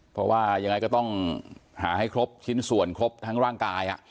เพราะว่ายังไงก็ต้องหาให้ครบชิ้นส่วนครบทั้งร่างกาย